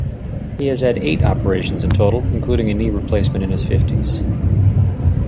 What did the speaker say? He has had eight operations in total, including a knee replacement in his fifties.